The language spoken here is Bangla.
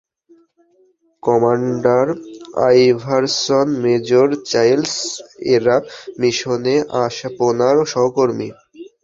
কমান্ডার আইভারসন, মেজর চাইল্ডস, এরা মিশনে আপনার সহকর্মী।